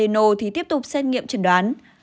nồ thì tiếp tục xét nghiệm chẩn đoán